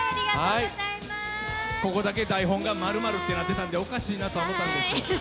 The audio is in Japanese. ここだけ台本がまるまるってなってたのでおかしいなと思ったんですよ。